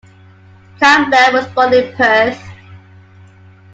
Campbell was born in Perth.